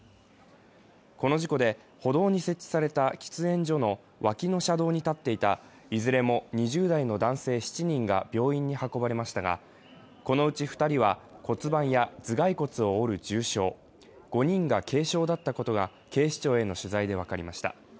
この事故で歩道に設置された喫煙所の脇の車道に立っていたいずれも２０代の男性７人が病院に運ばれましたが、このうち２人は骨盤や頭蓋骨を折る重傷、５人が軽傷だったことが警視庁への取材で分かりました。